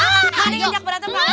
kamu ngajak berantem kak